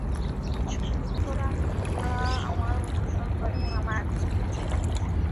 সুতরাং তোমরা আমার অনুসরণ কর এবং আমার আদেশ মেনে চল।